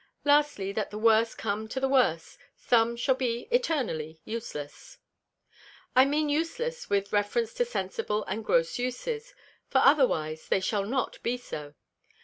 Lastly, let the worse come to the worse, some shall be eternally useless. I mean useless with reference to sensible and gross Uses; for otherwise they shall not be so.